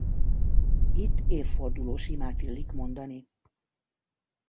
Itt évfordulós imát illik mondani.